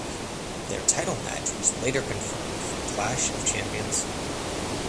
Their title match was later confirmed for Clash of Champions.